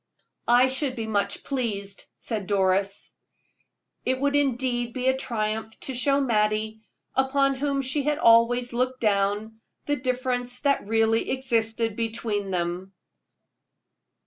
"I should be much pleased," said Doris. It would indeed be a triumph to show Mattie, upon whom she had always looked down, the difference that really existed between them.